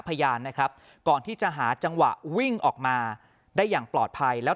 พยานนะครับก่อนที่จะหาจังหวะวิ่งออกมาได้อย่างปลอดภัยแล้ว